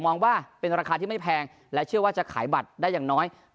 มองว่าเป็นราคาที่ไม่แพงและเชื่อว่าจะขายบัตรได้อย่างน้อย